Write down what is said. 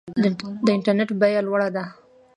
د انټرنیټ بیه لوړه ده؟